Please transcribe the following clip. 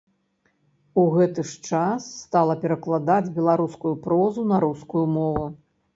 У гэты ж час стала перакладаць беларускую прозу на рускую мову.